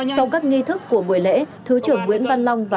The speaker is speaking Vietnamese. sau các nghi thức của buổi lễ thứ trưởng nguyễn văn long và